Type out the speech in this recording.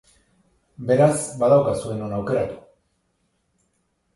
Beraz, badaukazue non aukeratu!